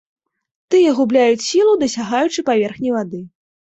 Тыя губляюць сілу, дасягаючы паверхні вады.